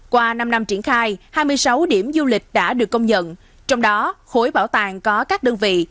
qua năm năm triển khai hai mươi sáu điểm du lịch đã được công nhận trong đó khối bảo tàng có các đơn vị